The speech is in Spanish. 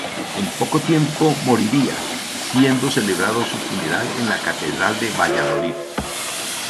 En poco tiempo, moriría, siendo celebrado su funeral en la Catedral de Valladolid.